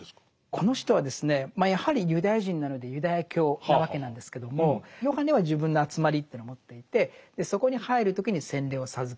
この人はですねやはりユダヤ人なのでユダヤ教なわけなんですけどもヨハネは自分の集まりというのを持っていてそこに入る時に洗礼を授ける。